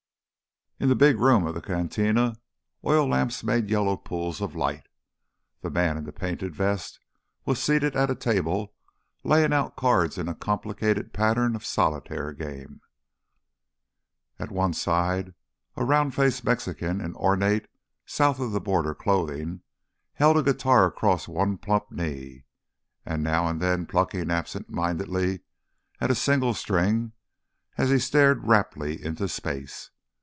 In the big room of the cantina oil lamps made yellow pools of light. The man in the painted vest was seated at a table laying out cards in a complicated pattern of a solitaire game. And at one side a round faced Mexican in ornate, south of the border clothing held a guitar across one plump knee, now and then plucking absent mindedly at a single string as he stared raptly into space.